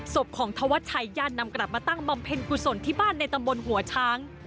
ศพของธวัชชัยญาตินำกลับมาตั้งบำเพ็ญกุศลที่บ้านในตำบลหัวช้าง